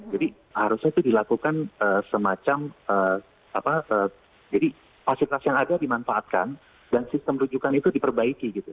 jadi harusnya itu dilakukan semacam apa jadi fasilitas yang ada dimanfaatkan dan sistem rujukan itu diperbaiki gitu